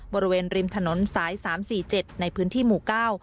บริเวณริมถนนสาย๓๔๗ในพื้นที่หมู่เก้า